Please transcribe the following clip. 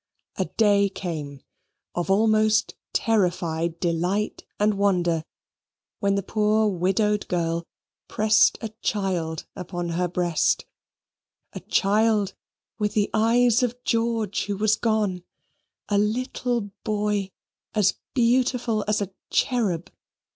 A day came of almost terrified delight and wonder when the poor widowed girl pressed a child upon her breast a child, with the eyes of George who was gone a little boy, as beautiful as a cherub.